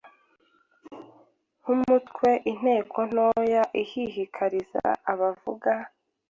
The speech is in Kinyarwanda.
Nkumutwe, ineko ntoya ihihikariza abavuga